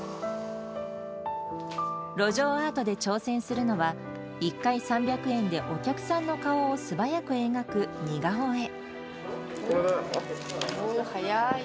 路上アートで挑戦するのは、１回３００円でお客さんの顔を素早く描く似顔絵。